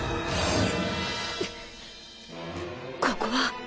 ここは。